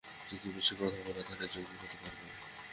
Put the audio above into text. যদি বেশী কথা বল, তাহলে যোগী হতে পারবে না।